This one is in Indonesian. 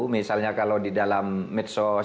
misalnya kalau di dalam medsos